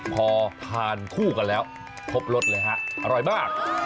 พอทานคู่กันแล้วครบรสเลยฮะอร่อยมาก